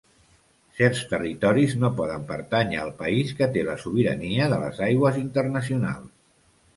Certs territoris no poden pertànyer al país que té la sobirania de les aigües internacionals.